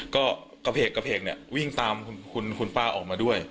ก็กระเพกเนี่ยวิ่งตามคุณป้าออกมาด้วย